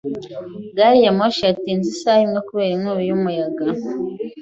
Gariyamoshi yatinze isaha imwe kubera inkubi y'umuyaga.